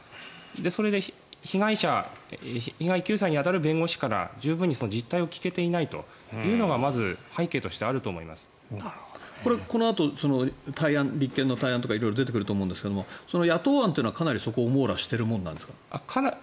それで被害者被害救済に当たる弁護士から十分に実態を聞けていないというのがこれはこのあと立憲の対案とか色々出てくると思うんですが野党案というのはかなりそこを網羅しているものなんですか？